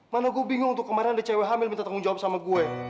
mana gua bingung tuh kemarin ada cewek hamil minta tanggung jawab sama gue